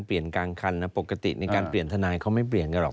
กลางคันนะปกติในการเปลี่ยนทนายเขาไม่เปลี่ยนกันหรอก